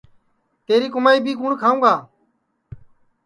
تیری کُمائی بی کُوٹؔ کھاوں گا